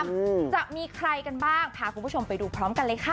อืมจะมีใครกันบ้างพาคุณผู้ชมไปดูพร้อมกันเลยค่ะ